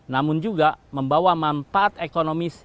namun juga membawa manfaat ekonomis